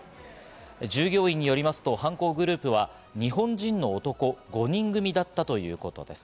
従業員によりますと、犯行グループは日本人の男５人組だったということです。